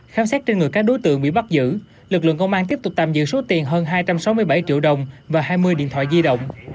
khám xét trên người các đối tượng bị bắt giữ lực lượng công an tiếp tục tạm giữ số tiền hơn hai trăm sáu mươi bảy triệu đồng và hai mươi điện thoại di động